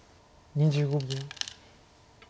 ２５秒。